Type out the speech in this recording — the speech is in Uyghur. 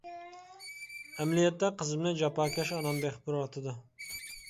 ئەمەلىيەتتە قىزىمنى جاپاكەش ئانام بېقىپ بېرىۋاتىدۇ.